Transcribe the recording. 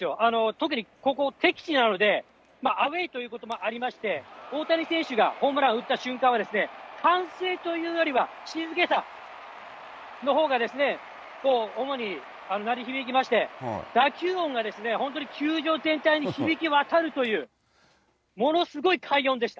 特にここ、敵地なので、アウエーということもありまして、大谷選手がホームラン打った瞬間は、歓声というよりは静けさのほうが、主に鳴り響きまして、打球音がですね、本当に球場全体に響き渡るという、ものすごい快音でした。